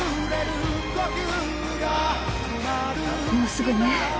もうすぐね。